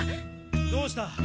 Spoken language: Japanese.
どうした？